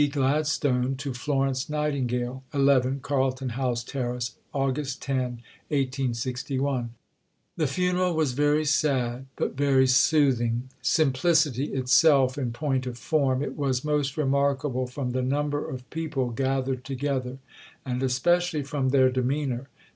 Gladstone to Florence Nightingale._) 11 CARLTON HOUSE TERRACE, Aug. 10 . The funeral was very sad but very soothing. Simplicity itself in point of form, it was most remarkable from the number of people gathered together, and especially from their demeanour.